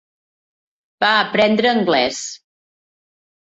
Va aprendre anglès.